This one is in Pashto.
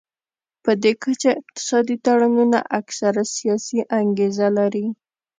پدې کچه اقتصادي تړونونه اکثره سیاسي انګیزه لري